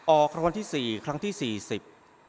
ออกรางวัลที่สี่ครั้งที่สี่สิบ